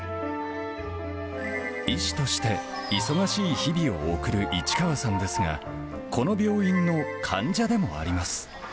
医師として、忙しい日々を送る市川さんですが、この病院の患者でもあります。